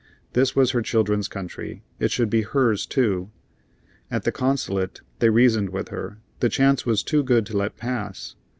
This was her children's country; it should be hers too. At the Consulate they reasoned with her; the chance was too good to let pass.